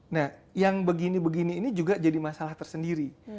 nah yang begini begini ini juga jadi masalah tersendiri